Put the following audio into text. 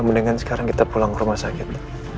mendingan sekarang kita pulang ke rumah sakit